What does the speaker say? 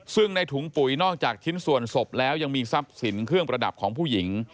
ซึ่งในถุงปุ๋ยนอกจากชิ้นส่วนศพแล้วยังมีทรัพย์สินเครื่องประดับของผู้หญิง